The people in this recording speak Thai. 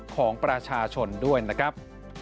ของประชาชนด้วยนะครับ